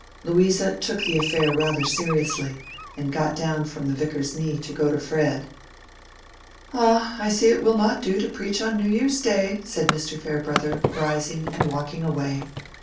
Louisa took the affair rather seriously, and got down from the Vicar's knee to go to Fred. "Ah, I see it will not do to preach on New Year's Day," said Mr. Farebrother, rising and walking away.